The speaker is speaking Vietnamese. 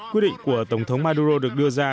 quyết định của tổng thống maduro được đưa ra